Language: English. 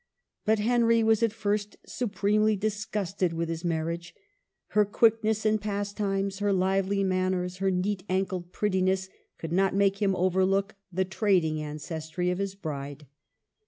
But Henry was at first supremely disgusted with his mar riage. Her quickness in pastimes, her lively manners, her neat ankled prettiness, could not make him overlook the trading ancestry of his bride.